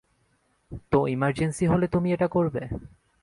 তো ইমার্জেন্সি হলে তুমি এটা করবে?